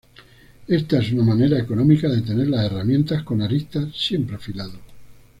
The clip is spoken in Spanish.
Esta es una manera económica de tener las herramientas con aristas siempre afilado.